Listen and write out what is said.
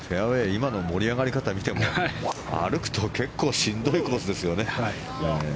今の盛り上がり方を見ても歩くと結構しんどいコースですよね。